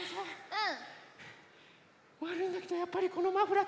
うん？